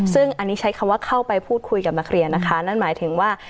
ซึ่งอันนี้ใช้คำว่าเข้าไปพูดคุยกับนักเรียนนะคะนั่นหมายถึงว่า